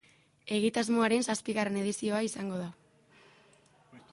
Egitasmoaren zazpigarren edizioa izango da.